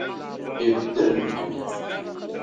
Ibeddel Mhenni.